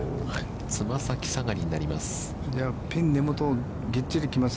つま先下がりになります。